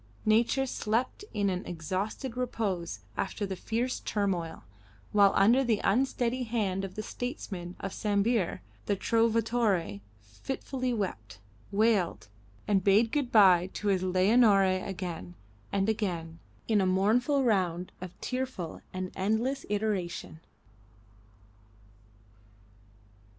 Nature slept in an exhausted repose after the fierce turmoil, while under the unsteady hand of the statesman of Sambir the Trovatore fitfully wept, wailed, and bade good bye to his Leonore again and again in a mournful round of tearful and endless iteration.